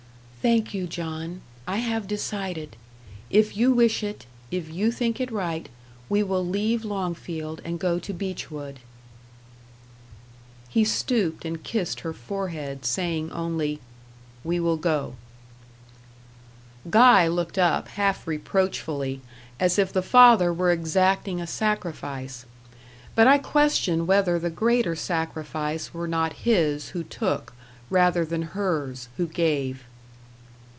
"Thank you, John. I have decided. If you wish it, if you think it right, we will leave Longfield and go to Beechwood." He stooped and kissed her forehead, saying only: "We will go." Guy looked up, half reproachfully, as if the father were exacting a sacrifice; but I question whether the greater sacrifice were not his who took rather than hers who gave.